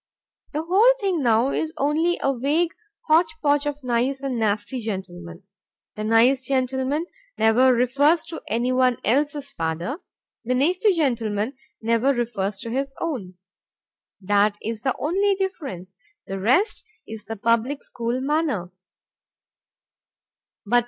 The whole thing now is only a vague hotch potch of nice and nasty gentlemen. The nice gentleman never refers to anyone else's father, the nasty gentleman never refers to his own. That is the only difference, the rest is the public school manner.